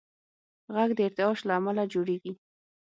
غږ د ارتعاش له امله جوړېږي.